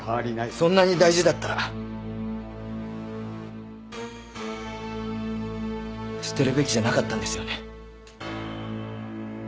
そんなに大事だったら捨てるべきじゃなかったんですよね。